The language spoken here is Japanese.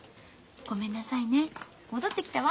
「ごめんなさいね戻ってきたわ」